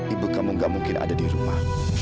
ibu kamu gak mungkin ada di rumah